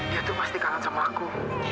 dia tuh pasti kangen sama aku